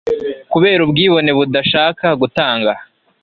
kubera ubwibone bwawe budashaka gutanga